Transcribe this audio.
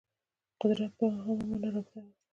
قدرت په عامه معنا رابطه وه